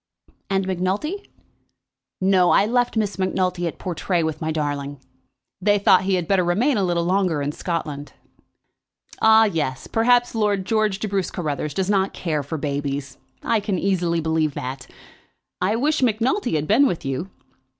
"And Macnulty?" "No. I left Miss Macnulty at Portray with my darling. They thought he had better remain a little longer in Scotland." "Ah, yes; perhaps Lord George de Bruce Carruthers does not care for babies. I can easily believe that. I wish Macnulty had been with you."